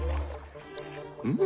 うん？